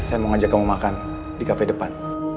saya mau ngajak kamu makan di kafe depan